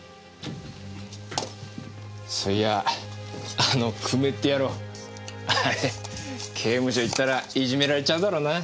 そういやあの久米って野郎あれ刑務所行ったらいじめられちゃうだろうな。